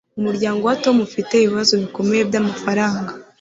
Umuryango wa Tom ufite ibibazo bikomeye byamafaranga